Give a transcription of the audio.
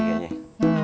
jalop bener nih kayaknya